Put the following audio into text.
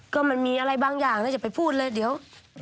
ก็มันมีอะไรบางอย่างนะอย่าไปพูดเลยเดี๋ยว